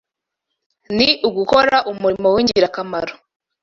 ni ugukora umurimo w’ingirakamaro.